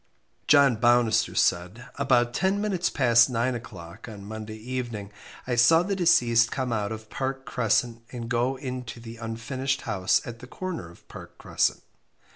John Baunister said About ten minutes past nine o'clock on Monday evening I saw the deceased come out of Park Crescent and go into the unfinished house at the corner of Park Crescent.